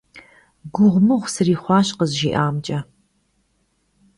Guğumığu sırixhuaş khızjji'amç'e.